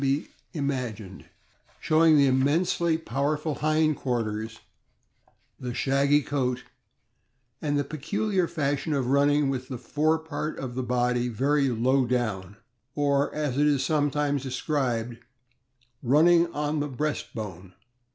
be imagined, showing the immensely powerful hind quarters, the shaggy coat, and the peculiar fashion of running with the fore part of the body very low down, or, as it is sometimes described, "running on the breast bone."